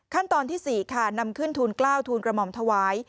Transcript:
ขั้นตอนที่๔ค่ะนำขึ้นทูลกล้าวทูลกระหม่อมถวาย